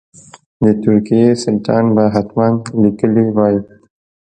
د ترکیې سلطان به حتما لیکلي وای.